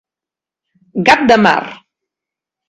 Gat de mar.